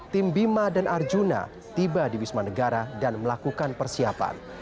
tim bima dan arjuna tiba di wisma negara dan melakukan persiapan